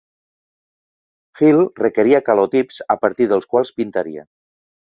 Hill requeria calotips a partir dels quals pintaria.